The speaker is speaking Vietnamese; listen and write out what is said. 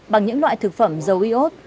bằng những loại thực phẩm dầu iốt